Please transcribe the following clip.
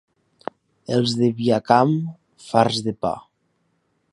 Els de Viacamp, farts de pa.